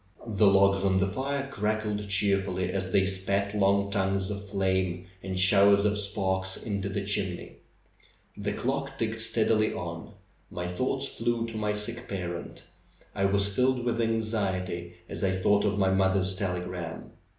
The logs on the fire crackled cheerfully as they spat long tongues of flame and showers of sparks into the chimney. The clock ticked steadily on. My thoughts flew to my sick parent. I was filled with anxiety as I thought of my mother's telegram.